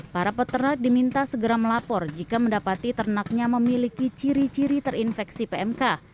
para peternak diminta segera melapor jika mendapati ternaknya memiliki ciri ciri terinfeksi pmk